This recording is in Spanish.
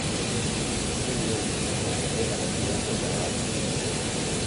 Es evidente en esta tela la influencia de Caravaggio.